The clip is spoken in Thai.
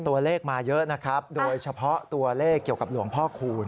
ตัวเลขมาเยอะนะครับโดยเฉพาะตัวเลขเกี่ยวกับหลวงพ่อคูณ